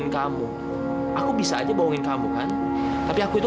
tapi aku perlu waktu untuk berpikir